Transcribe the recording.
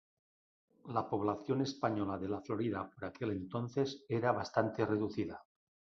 La población española de la Florida por aquel entonces era bastante reducida.